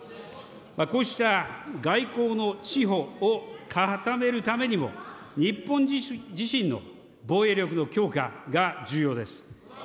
こうした外交の地歩を固めるためにも、日本自身の防衛力の強化が重要です。